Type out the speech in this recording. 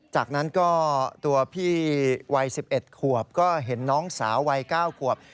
จากนั้นก็ตัวพี่วัย๑๑ขวบก็เห็นน้องสาววัย๙ขวบ